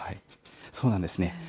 そうなんですね。